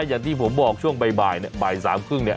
อย่างที่ผมบอกช่วงบ่ายเนี่ยบ่าย๓๓๐เนี่ย